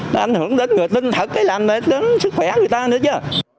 nó ảnh hưởng đến người tin thật cái làm đến sức khỏe người ta nữa chứ